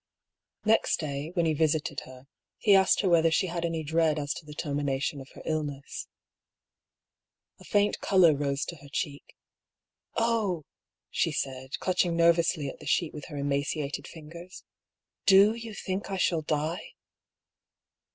Next day, when he visited her, he asked her whether she had any dread as to the termination of her illness. A faint colour rose to her cheek. " Oh !" she said, clutching nervously at the sheet with her emaciated fingers, "rfo you think I shall die?"